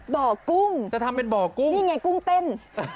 บ่อกุ้งนี่ไงกุ้งเต้น